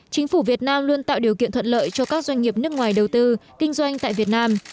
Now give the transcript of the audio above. chính phủ việt nam luôn tạo điều kiện thuận lợi cho các doanh nghiệp nước ngoài đầu tư kinh doanh tại việt nam